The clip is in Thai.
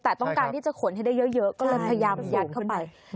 แต่ต้องการที่จะขนให้ได้เยอะก็เลยพยายามยัดเข้าไป